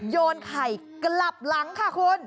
โยนไข่กลับหลังค่ะคุณ